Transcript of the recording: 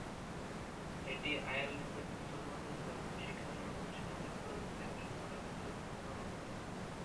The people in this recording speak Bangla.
এটি আয়ারল্যান্ডের মুসলমানদের ধর্মীয়, শিক্ষামূলক এবং সামাজিক প্রয়োজন দেখাশোনা করার ক্ষেত্রে ভূমিকা পালন করে।